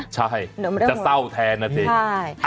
ใช่จะเศร้าแทนนะจริง